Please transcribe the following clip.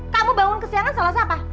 kamu bangun kesiangan salah siapa